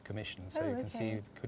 kami hanya memanfaatkan tujuh lagi